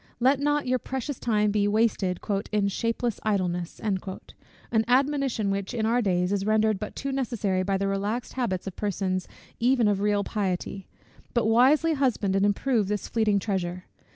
Let not your precious time be wasted "in shapeless idleness;" an admonition which, in our days, is rendered but too necessary by the relaxed habits of persons even of real piety: but wisely husband and improve this fleeting treasure.